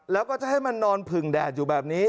แล้วก็จะให้มันนอนผึ่งแดดอยู่แบบนี้